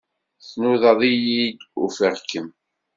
Tnudaḍ-iyi-d, ufiɣ-kem.